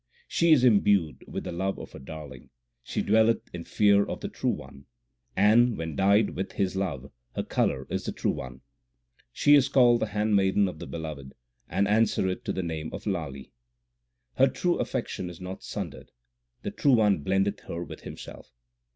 She is imbued with the love of her Darling ; she dwelleth in fear of the True One ; and, when dyed with His love, her colour is the true one. She is called the handmaiden of the Beloved, and an swereth to the name of Lali. 1 Her true affection is not sundered ; the True One blendeth her with Himself.